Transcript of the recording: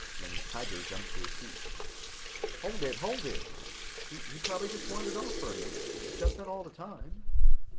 Then Tiger jumped to his feet. "Hold it, hold it! He probably just wandered off for a minute. He does that all the time."